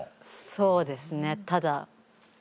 そうですねただ。